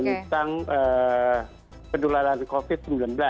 tentang penularan covid sembilan belas